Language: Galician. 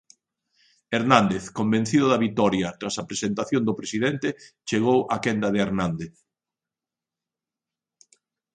Hernández, convencido da vitoria Tras a presentación do presidente chegou a quenda de Hernández.